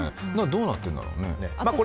どうなってるんだろうね。